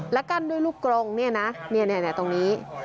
และกั้นด้วยลูกกรงเนี่ยนะเนี่ยเนี่ยเนี่ยตรงนี้